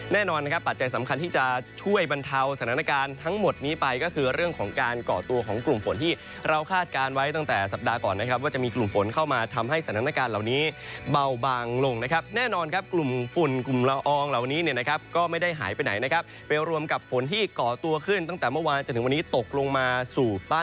แน่นอนนะครับปัจจัยสำคัญที่จะช่วยบรรเทาสถานการณ์ทั้งหมดนี้ไปก็คือเรื่องของการก่อตัวของกลุ่มฝนที่เราคาดการไว่ตั้งแต่สัปดาห์ก่อนนะครับ